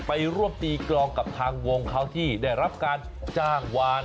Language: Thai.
ไปร่วมตีกรองกับทางวงเขาที่ได้รับการจ้างวาน